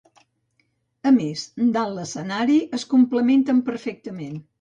A més, dalt l’escenari es complementen perfectament.